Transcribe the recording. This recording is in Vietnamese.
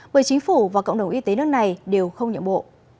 bởi chính phủ và cộng đồng y tế nước này đều không nhận bộ